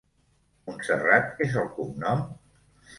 Montserrat és el cognom?